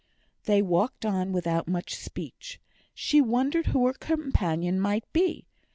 They walked on without much speech. She wondered who her companion might be.